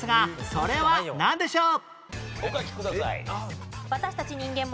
それはなんでしょう？